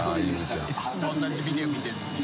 いつも同じビデオ見てるんだよ。